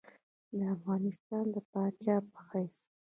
د افغانستان د پاچا په حیث.